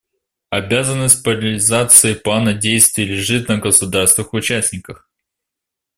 Обязанность по реализации Плана действий лежит на государствах-участниках.